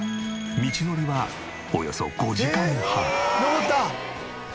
道のりはおよそ５時間半。